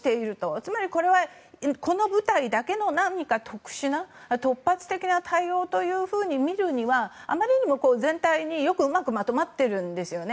つまりこれは、この部隊だけの何か特殊な突発的な対応と見るにはあまりにも全体によくまとまっているんですね。